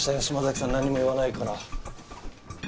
島崎さん何も言わないから。